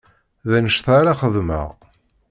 D anect-a ara xeddmeɣ.